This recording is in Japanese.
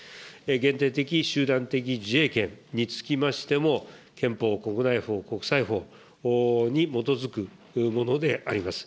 限定的集団的自衛権につきましても、憲法、国内法、国際法に基づくものであります。